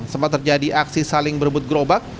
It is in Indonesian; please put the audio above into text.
sempat terjadi aksi saling berebut gerobak